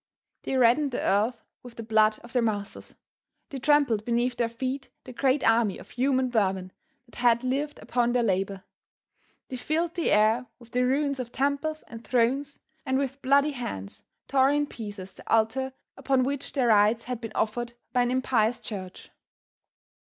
They reddened the earth with the blood of their masters. They trampled beneath their feet the great army of human vermin that had lived upon their labor. They filled the air with the ruins of temples and thrones, and with bloody hands tore in pieces the altar upon which their rights had been offered by an impious church.